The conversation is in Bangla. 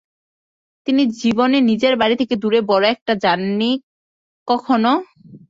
তিনি জীবনে নিজের বাড়ি থেকে দূরে বড়ো একটা যাননি কখনও।